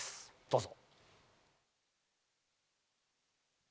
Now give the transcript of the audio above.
どうぞ。